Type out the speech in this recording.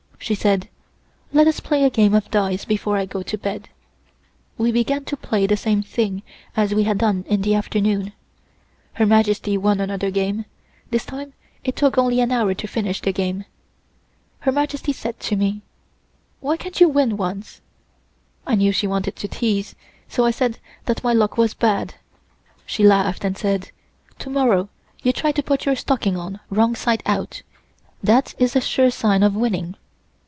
She said: "Let us play a game of dice before I go to bed." We began to play the same thing as we had done in the afternoon. Her Majesty won another game, this time it took only an hour to finish the game. Her Majesty said to me: "Why can't you win once?" I knew she wanted to tease, so I said that my luck was bad. She laughed and said: "To morrow you try to put your stocking on wrong side out; that is a sure sign of winning."